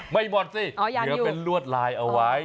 ไม่หมดสิเหลือเป็นลวดลายเอาไว้